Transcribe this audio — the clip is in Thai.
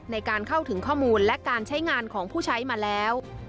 ในการเข้าถึงข้อมูลและการใช้งานของผู้ใช้มาแล้ว